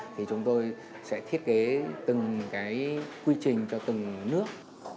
thì chúng tôi sẽ thiết kế từng cái quy trình cho từng nước